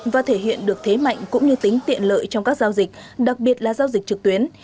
và thể hiện được thế mạnh cũng như tính tiện lợi trong các giao dịch đặc biệt là giao dịch trực tuyến